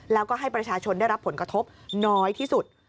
แล้วก็ให้ประชาชนได้รับผลกระทบน้อยที่สุด